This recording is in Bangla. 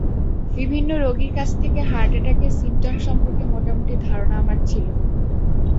বিভিন্ন রোগীর কাছ থেকে হার্ট অ্যাটাকের সিমটম সম্পর্কে মোটামুটি ধারণা আমার ছিল।